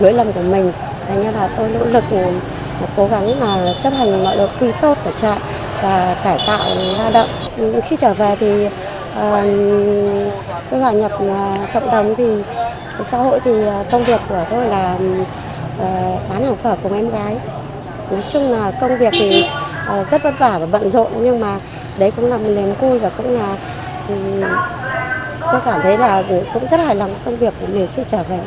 nói chung là công việc thì rất vất vả và bận rộn nhưng mà đấy cũng là một nền côi và cũng là tôi cảm thấy là cũng rất hài lòng công việc của mình khi trở về rồi